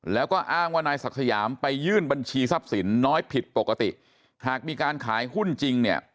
แล้วก็อ้างว่านายศักดิ์สยามไปยื่นบัญชีทรัพย์สินน้อยผิดปกติหากมีการขายหุ้นจริงเนี่ย